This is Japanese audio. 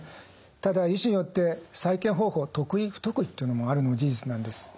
ただ医師によって再建方法得意不得意というのもあるのも事実なんです。